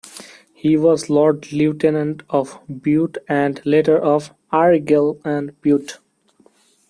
He was Lord Lieutenant of Bute and, later, of Argyll and Bute.